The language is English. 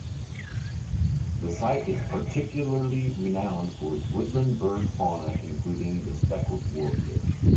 The site is particularly renowned for its woodland bird fauna, including the speckled warbler.